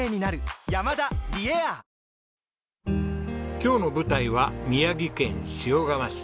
今日の舞台は宮城県塩竈市。